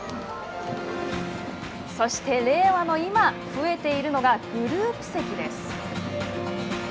そして令和の今増えているのがグループ席。